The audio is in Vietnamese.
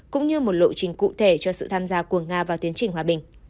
cũng như một lộ trình cụ thể cho sự tham gia của nga vào tiến trình hòa bình